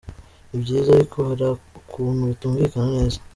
Ni byiza, ariko hari ukuntu bitumvikana neza!".